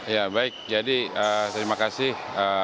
ya baik jadi terima kasih